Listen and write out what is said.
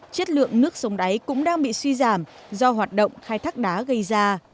chất lượng nước sông đáy cũng đang bị suy giảm do hoạt động khai thác đá gây ra